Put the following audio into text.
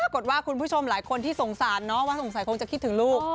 ปรากฏว่าคุณผู้ชมหลายคนที่สงสารเนาะว่าสงสัยคงจะคิดถึงลูก